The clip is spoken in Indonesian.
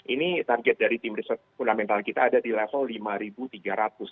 ini target dari tim riset fundamental kita ada di level rp lima tiga ratus